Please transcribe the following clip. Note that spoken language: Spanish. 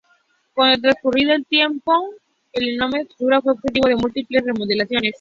Con el transcurrir del tiempo, la enorme estructura fue objetivo de múltiples remodelaciones.